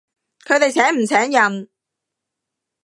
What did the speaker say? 佢哋請唔請人？